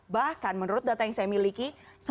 bahkan menurut data yang saya miliki